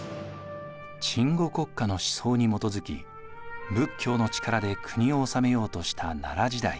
鎮護国家の思想に基づき仏教の力で国を治めようとした奈良時代。